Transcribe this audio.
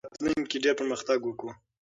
موږ به په راتلونکي کې ډېر پرمختګ وکړو.